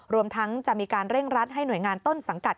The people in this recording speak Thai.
รวมทั้งจะมีการเร่งรัดให้หน่วยงานต้นสังกัด